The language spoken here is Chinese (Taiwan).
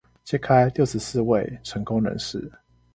揭開六十四位成功人士